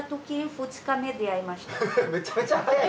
めちゃめちゃ早い。